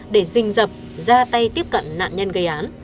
để rình dập ra tay tiếp cận nạn nhân gây án